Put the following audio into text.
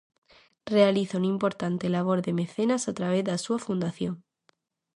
Realiza un importante labor de mecenas a través da súa fundación.